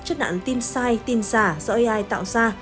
trước nạn tin sai tin giả do ai tạo ra